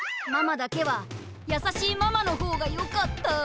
ママだけはやさしいママの方がよかった。